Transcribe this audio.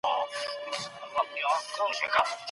احمد شاه ابدالي څنګه د نړیوالو اړیکو ارزونه وکړه؟